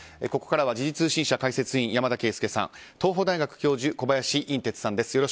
ここからは時事通信社解説委員山田惠資さん東邦大学教授小林寅てつさんです。